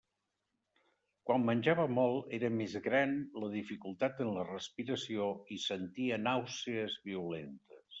Quan menjava molt, era més gran la dificultat en la respiració i sentia nàusees violentes.